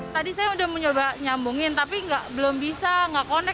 tadi saya sudah mencoba nyambungin tapi belum bisa tidak konek